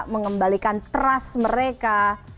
mengembalikan trust mereka